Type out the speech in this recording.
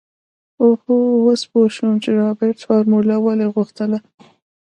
اوهوهو اوس پو شوم چې رابرټ فارموله ولې غوښتله.